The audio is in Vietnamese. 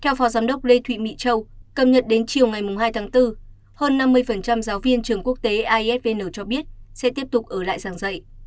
theo phó giám đốc lê thụy mỹ châu cầm nhật đến chiều ngày hai tháng bốn hơn năm mươi giáo viên trường quốc tế isvn cho biết sẽ tiếp tục ở lại giảng dạy